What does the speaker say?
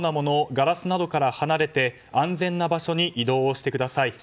ガラスなどから離れて安全な場所に移動してください。